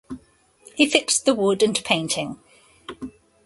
He fixed the wood and painting.